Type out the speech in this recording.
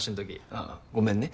あっごめんね。